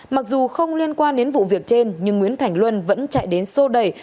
mặc dù không liên quan đến vụ việc trên nhưng nguyễn thành luân vẫn chạy đến sô đẩy